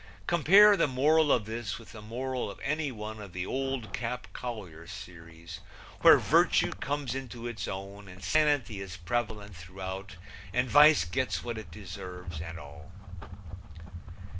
Compare the moral of this with the moral of any one of the Old Cap Collier series, where virtue comes into its own and sanity is prevalent throughout and vice gets what it deserves, and all.